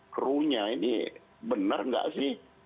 krunya ini benar nggak sih